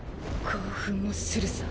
興奮もするさ。